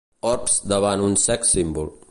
Orbs davant un sex symbol.